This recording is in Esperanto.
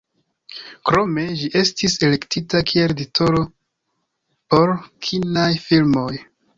Krome ĝi estis elektita kiel titolo por kinaj filmoj.